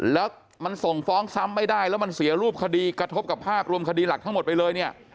แล้วมันส่งฟ้องซ้ำไม่ได้แล้วมันเสียรูปคดีกระทบกับภาพรวมคดีหลักทั้งหมดไปเลยเนี่ย